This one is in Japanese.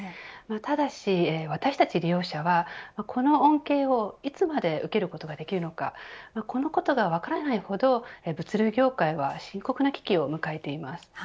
ただし、私たち利用者はこの恩恵をいつまで受けることができるのかこのことが分からないほど物流業界は深刻な危機を迎えています。